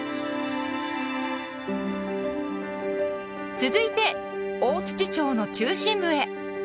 続いて大町の中心部へ。